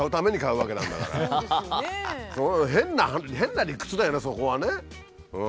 変な理屈だよねそこはね。